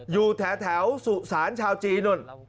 อยู่แถวสุสานชาวจีนนู่น